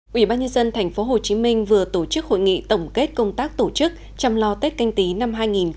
quỹ ban nhân dân tp hcm vừa tổ chức hội nghị tổng kết công tác tổ chức chăm lo tết canh tí năm hai nghìn hai mươi